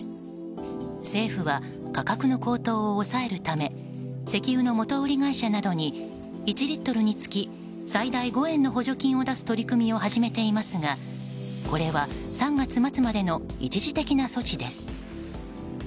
政府は価格の高騰を抑えるため石油の元売り会社などに１リットルにつき最大５円の補助金を出す取り組みを始めていますがこれは３月末までの一時的な措置です。